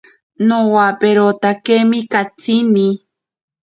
Nowaperotakemi katsini.